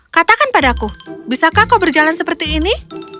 katakan padaku bisakah kau berjalan seperti ini